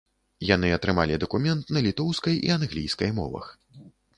Яны атрымалі дакумент на літоўскай і англійскай мовах.